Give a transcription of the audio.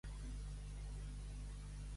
Cantar l'evangeli de les Verges.